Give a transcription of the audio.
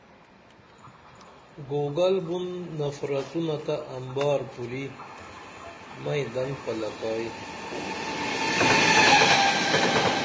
گُوگل بُن نفرتونہ تہ امبار پوری مئیں دن پلکائی